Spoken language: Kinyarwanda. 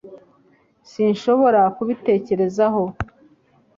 sinshobora kubitekerezaho